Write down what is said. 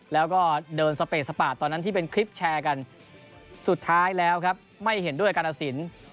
แล้วก็เดินสเปสปาดตอนนั้นที่เป็นคลิปแชร์กันสุดท้ายแล้วครับไม่เห็นด้วยการตัดสิน